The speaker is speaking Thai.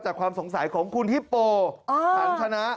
จากความสงสัยของคุณฮิปโปทางชนะ